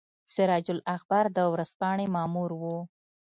سراج الاخبار د ورځپاڼې مامور وو.